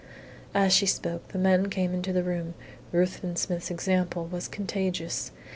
As she spoke the men came into the room. Ruthven Smith's example was contagious.